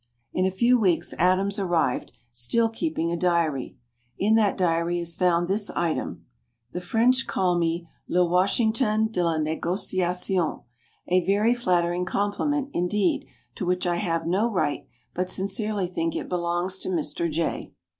In a few weeks Adams arrived, still keeping a diary. In that diary is found this item: "The French call me 'Le Washington de la Negociation': a very flattering compliment indeed, to which I have no right, but sincerely think it belongs to Mr. Jay."